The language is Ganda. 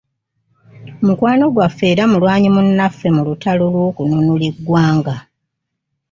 Mukwano gwaffe era mulwanyi munnaffe mu lutalo lw’okununula ggwanga